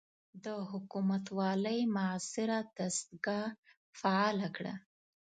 د حکومتوالۍ معاصره دستګاه فعاله کړه.